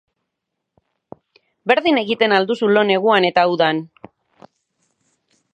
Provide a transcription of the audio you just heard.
Berdin egiten al duzu lo neguan eta udan?